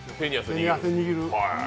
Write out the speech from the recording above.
手に汗握る。